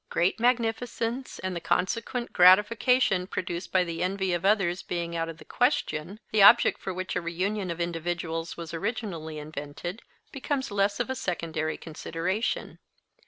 Great magnificence, and the consequent gratification produced by the envy of others being out of the question, the object for which a reunion of individuals was originally invented becomes less of a secondary consideration.